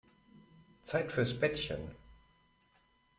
Zeit fürs Bettchen.